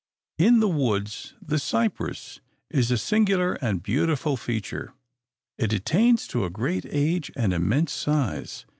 In the woods, the cypress is a singular and beautiful feature. It attains to a great age and immense size.